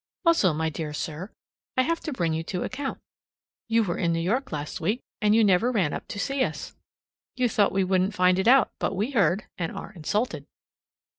Also, my dear sir, I have to bring you to account. You were in New York last week, and you never ran up to see us. You thought we wouldn't find it out, but we heard and are insulted.